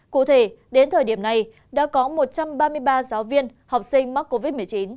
cụ thể đến thời điểm này đã có một trăm ba mươi ba giáo viên học sinh mắc covid một mươi chín